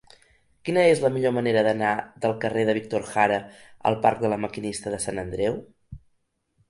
Quina és la millor manera d'anar del carrer de Víctor Jara al parc de La Maquinista de Sant Andreu?